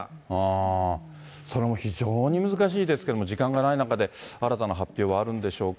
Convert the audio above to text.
それも非常に難しいですけれども、時間がない中で、新たな発表はあるんでしょうか。